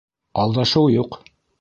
- Алдашыу юҡ.